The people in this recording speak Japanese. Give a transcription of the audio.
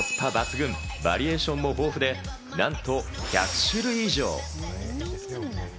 コスパ抜群、バリエーションも豊富で、なんと１００種類以上。